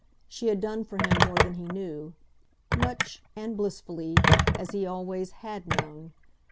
She had done for him more than he knew much, and blissfully, as he always HAD known.